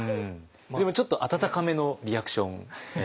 でもちょっと温かめのリアクション。